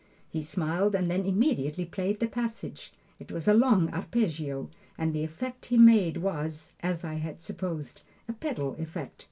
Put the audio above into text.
He smiled and then immediately played the passage. It was a long arpeggio, and the effect he made was, as I had supposed, a pedal effect.